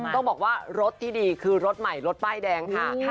ต้องบอกว่ารถที่ดีคือรถใหม่รถป้ายแดงค่ะ